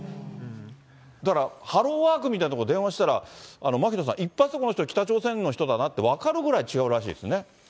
だから、ハローワークみたいなところに電話したら、牧野さんこれ、一発でこの人北朝鮮の人だなって分かるぐらい、違うらしいですね。